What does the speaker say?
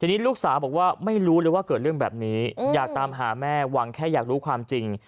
ทีนี้ลูกสาวบอกว่าไม่รู้เลยว่าเกิดเรื่องแบบนี้อยากตามหาแม่หวังแค่อยากรู้ความจริง